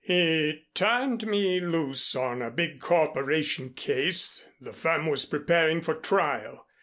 "He turned me loose on a big corporation case the firm was preparing for trial.